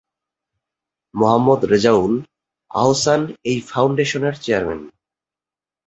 মোহাম্মদ রেজাউল আহসান এই ফাউন্ডেশনের চেয়ারম্যান।